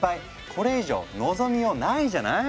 これ以上望みようないじゃない？